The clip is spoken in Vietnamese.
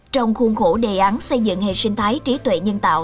trong khuôn khổ đề án xây dựng hệ sinh thái trí tuệ nhân tạo